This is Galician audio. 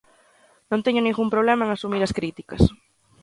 Non teño ningún problema en asumir as críticas.